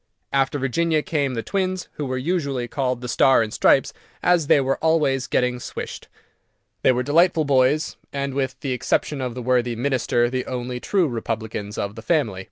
After Virginia came the twins, who were usually called "The Star and Stripes," as they were always getting swished. They were delightful boys, and, with the exception of the worthy Minister, the only true republicans of the family.